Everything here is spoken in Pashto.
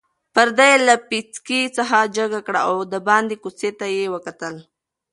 پرده یې له پیڅکې څخه جګه کړه او د باندې کوڅې ته یې وکتل.